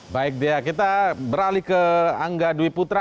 baik dia kita beralih ke angga dwi putra